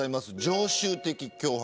常習的脅迫。